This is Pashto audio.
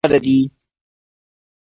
د ناروغۍ لپاره طبیعي درمل غوره دي